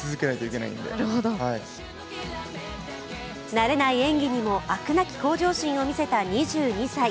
慣れない演技にも飽くなき向上心を見せた２２歳。